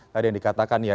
tadi yang dikatakan ya